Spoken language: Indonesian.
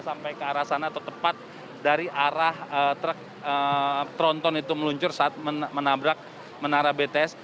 sampai ke arah sana atau tepat dari arah truk tronton itu meluncur saat menabrak menara bts